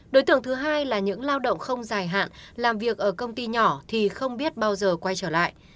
đối tượng thứ hai là những lao động không dài hạn làm việc ở công ty nhỏ thì không biết bao giờ quay trở lại